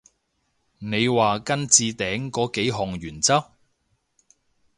你話跟置頂嗰幾項原則？